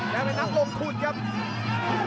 นางนักลดทุตกรรมครับ